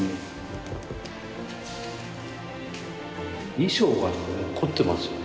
衣装が凝ってますよね。